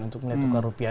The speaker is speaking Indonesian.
untuk menentukan rupiah